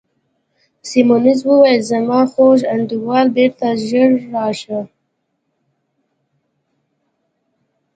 سیمونز وویل: زما خوږ انډیواله، بیرته ژر راشه.